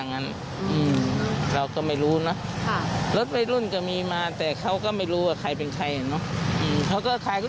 งั้นเราก็ไม่รู้นะรถวัยรุ่นก็มีมาแต่เขาก็ไม่รู้ว่าใครเป็นใครเนอะ